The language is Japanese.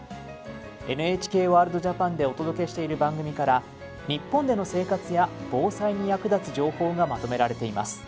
ＮＨＫワールドＪＡＰＡＮでお届けしている番組から日本での生活や防災に役立つ情報がまとめられています。